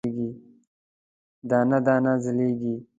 دانه، دانه ځلیږې